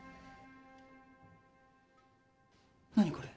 何これ？